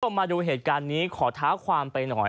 มาดูเหตุการณ์นี้ขอท้าความไปหน่อย